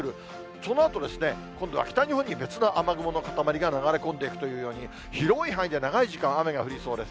そのあと、今度は北日本に別の雨雲の固まりが流れ込んでいくというように、広い範囲で長い時間、雨が降りそうです。